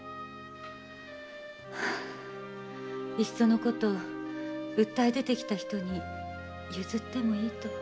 いっそのこと訴え出てきた人に譲ってもよいと。